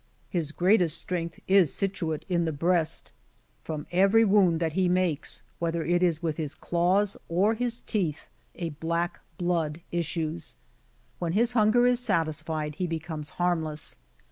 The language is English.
His greatest strength is situate in the breast. From every wound that he makes, whether it is with his claws or his teeth, a black blood issues.*^ When his hunger is satisfied, he becomes harmless.